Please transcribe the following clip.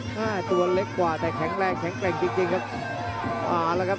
ตัวเล็กกว่าแต่แข็งแรงแข็งแกร่งจริงจริงครับอ่าแล้วครับ